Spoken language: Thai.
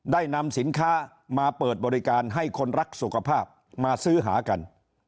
ได้นำสินค้ามาเปิดบริการให้คนรักสุขภาพมาซื้อหากัน